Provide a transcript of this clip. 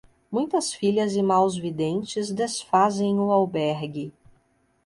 Muitas filhas e maus videntes desfazem o albergue.